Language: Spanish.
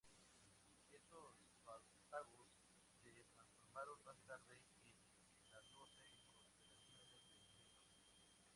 Esos vástagos se transformaron, más tarde, en las doce constelaciones del cielo.